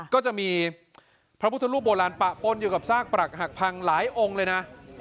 ก็จะมีพระพุทธรูปโบราณปะปนอยู่กับซากปรักหักพังหลายองค์เลยนะ